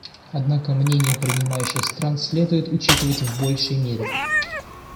Однако мнения принимающих стран следует учитывать в большей мере.